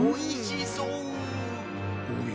おや？